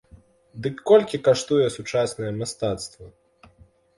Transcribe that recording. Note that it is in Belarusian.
Дык колькі каштуе сучаснае мастацтва?